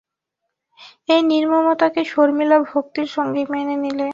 এই নির্মমতাকে শর্মিলা ভক্তির সঙ্গেই মেনে নিলে।